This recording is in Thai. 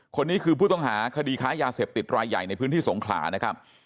คนนี้คือผู้ต้องหาคดีค้ายาเสพติดรายใหญ่ในพื้นที่สงขลานะครับ